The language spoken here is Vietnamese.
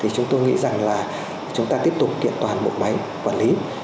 chúng tôi nghĩ rằng là chúng ta tiếp tục kiện toàn bộ máy quản lý